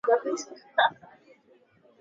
imi ni abi shaban abdala na awali ya yote